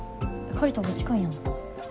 借りたほうが近いやん。